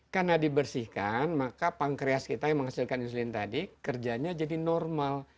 karena dibersihkan maka pankreas kita yang menghasilkan insulin tadi kerjanya jadi normal